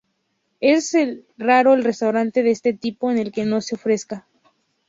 Es raro el restaurante de este tipo en el que no se ofrezca.